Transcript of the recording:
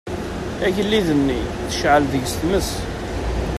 Agellid-nni, tecɛel deg-s tmes.